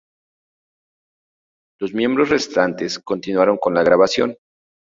Los miembros restantes continuaron con la grabación.